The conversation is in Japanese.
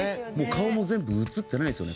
顔も全部写ってないですよね